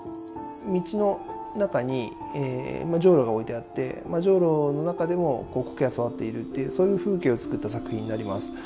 道の中にジョウロが置いてあってジョウロの中でも苔が育っているというそういう風景を作った作品になります。